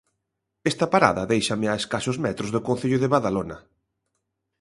Esta parada déixame a escasos metros do concello de Badalona.